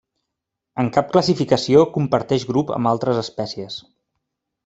En cap classificació comparteix grup amb altres espècies.